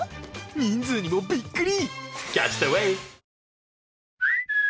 人数にもびっくり！